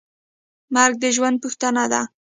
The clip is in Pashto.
مرګ د ژوند پوښتنه ده.